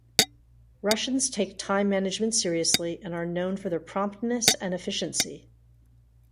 Russians take time management seriously and are known for their promptness and efficiency.